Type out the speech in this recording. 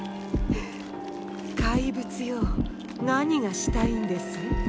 怪物よ何がしたいんです？